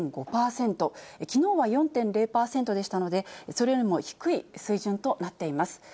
きのうは４．０％でしたので、それよりも低い水準となっています。